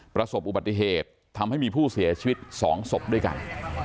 ประสบอุบัติเหตุทำให้มีผู้เสียชีวิต๒ศพด้วยกัน